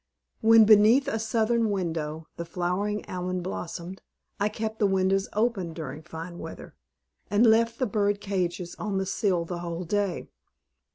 When beneath a southern window the flowering almond blossomed, I kept the windows open during fine weather, and left the bird cages on the sill the whole day.